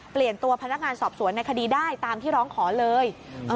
เปลี่ยนตัวพนักงานสอบสวนในคดีได้ตามที่ร้องขอเลย